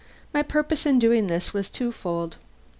My purpose in doing this was twofold.